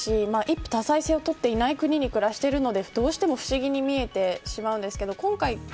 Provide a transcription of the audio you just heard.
本当に異様ですし一夫多妻制をとっていない国に暮らしているのでどうしても不思議に見えてしまいます。